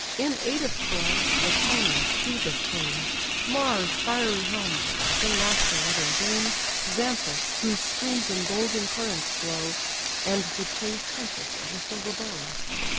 In aid of Troy, Latona, Phœbus came, Mars fiery helm'd, the laughter loving dame, Xanthus, whose streams in golden currents flow, And the chaste huntress of the silver bow.